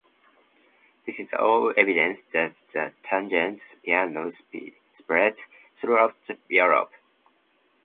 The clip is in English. This is all evidence that the tangent piano spread throughout Europe.